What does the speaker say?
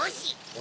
お！